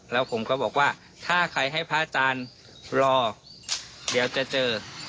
แล้วผมก็บอกว่าถ้าใครให้พระอาจารย์รอเดี๋ยวจะเจอ